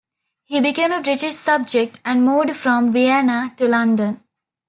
He became a British subject and moved from Vienna to London.